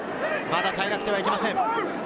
まだ耐えなくてはいけません。